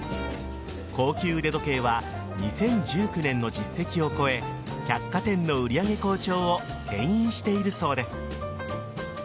高級腕時計は２０１９年の実績を超え百貨店の売り上げ好調をけん引しているそうです。